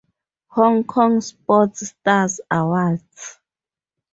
Hong Kong Sports Stars Awards